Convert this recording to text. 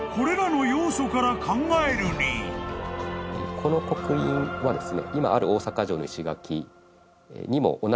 この刻印はですね。